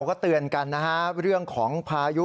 เราก็เตือนกันเรื่องของพายุ